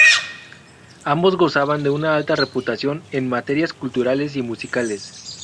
Ambos gozaban de una alta reputación en materias culturales y musicales.